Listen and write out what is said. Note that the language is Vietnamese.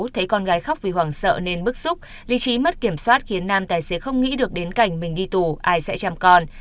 thấy con gái khóc vì hoảng sợ nên bức xúc lý trí mất kiểm soát khiến nam tài xế không nghĩ được đến cảnh mình đi tù ai sẽ chăm con